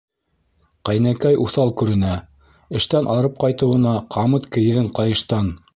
Ҡәйнәкәй уҫал күренә, Эштән арып ҡайтыуына Ҡамыт кейҙең ҡайыштан.